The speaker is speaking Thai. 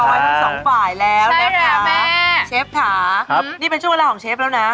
ทั้งสองฝ่ายแล้วนะคะใช่เหรอแม่เชฟขานี่เป็นช่วงเวลาของเชฟแล้วนะ